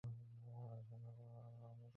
আলোচনা করছি আমরা।